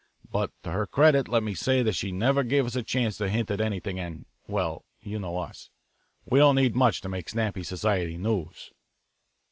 But to her credit let me say that she never gave us a chance to hint at anything, and well, you know us; we don't need much to make snappy society news."